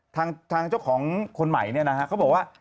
ทางเจ้าของคนใหม่เขาบอกว่า